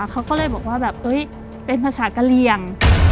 เขาก็เลยบอกว่าเป็นภาษากะเรียง